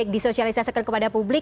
disosialisasi kepada publik